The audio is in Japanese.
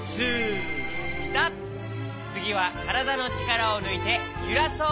つぎはからだのちからをぬいてゆらそう。